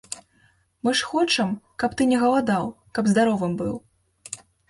Мы ж хочам, каб ты не галадаў, каб здаровым быў.